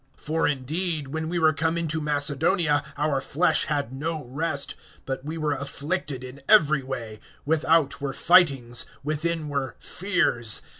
(5)For indeed, when we were come into Macedonia, our flesh had no rest, but we were afflicted in every way; without were fightings, within were fears.